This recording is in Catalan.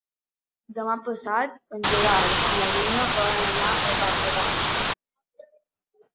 Demà passat en Gerard i na Duna volen anar a Campdevànol.